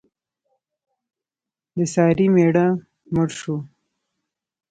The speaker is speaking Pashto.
د سارې مېړه مړ شو.